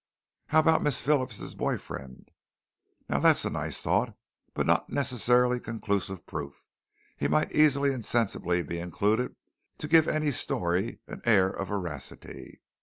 "How about Miss Phillips' boy friend?" "Now that's a nice thought, but not necessarily conclusive proof. He might easily and sensibly be included to give any story an air of veracity.